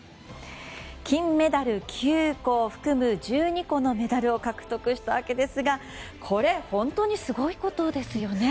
金メダル９個を含む１２個のメダルを獲得したわけですがこれ本当にすごいことですよね。